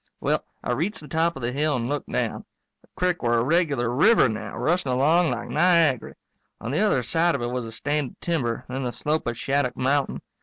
Well, I reached the top of the hill and looked down. The crick were a regular river now, rushing along like Niagary. On the other side of it was a stand of timber, then the slope of Shattuck mountain.